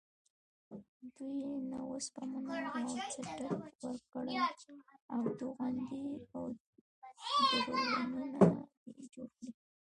دوی ته وسپنه و څټک ورکړې او توغندي او ډرونونه دې جوړ کړي.